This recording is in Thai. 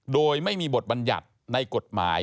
โดยไม่มีบทบัญญัติในกฎหมาย